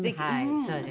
そうですね。